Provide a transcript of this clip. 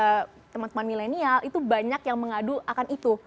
ketika saya bertemu dengan teman teman milenial itu banyak yang mengadu akan itu